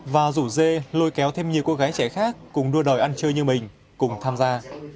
và rủ dê lôi kéo thêm nhiều cô gái trẻ khác cùng đua đòi ăn chơi như mình cùng tham gia